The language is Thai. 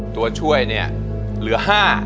ตัวช่วยเนี่ยเหลือ๕